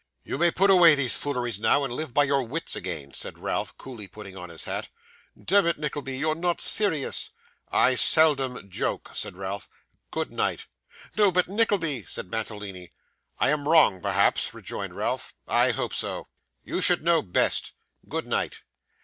'You may put away those fooleries now, and live by your wits again,' said Ralph, coolly putting on his hat. 'Demmit, Nickleby, you're not serious?' 'I seldom joke,' said Ralph. 'Good night.' 'No, but Nickleby ' said Mantalini. 'I am wrong, perhaps,' rejoined Ralph. 'I hope so. You should know best. Good night.